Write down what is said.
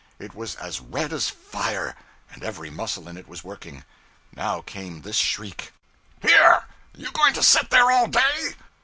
It was as red as fire, and every muscle in it was working. Now came this shriek 'Here! You going to set there all day?'